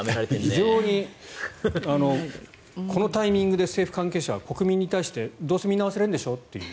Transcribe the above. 非常にこのタイミングで政府関係者は国民に対してどうせみんな忘れるんでしょ？という。